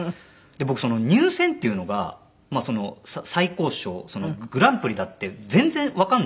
僕その「入選」っていうのがまあ最高賞グランプリだって全然わかんなくて。